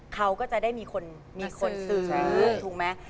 เขาก็จะได้มีคนมีคนซื้อถูกไหม